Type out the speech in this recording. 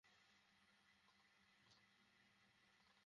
পরে মিতু বাদী হয়ে আবুল কালামকে আসামি করে টঙ্গী থানায় মামলা করেন।